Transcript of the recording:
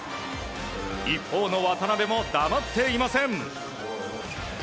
一方の渡邊も黙っていません。